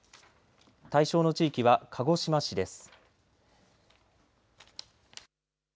対象の地域は鹿児島市です。